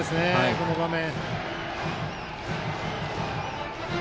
この場面。